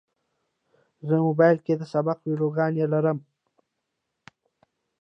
زه موبایل کې د سبق ویډیوګانې لرم.